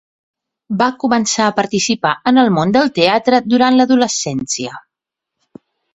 Va començar a participar en el món del teatre durant l'adolescència.